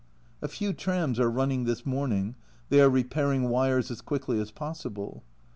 A few trams are running this morning they are repairing wires as quickly as possible.